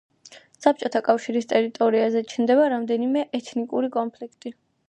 საბჭოთა კავშირის ტერიტორიაზე ჩნდება რამდენიმე ეთნიკური კონფლიქტი.